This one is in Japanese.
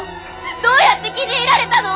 どうやって気に入られたの！？